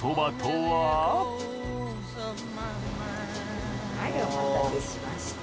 はいお待たせしました。